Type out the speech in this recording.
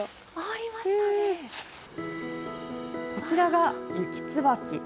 こちらがユキツバキ。